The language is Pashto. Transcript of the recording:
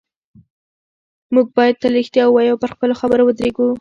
موږ باید تل رښتیا ووایو او پر خپلو خبرو ودرېږو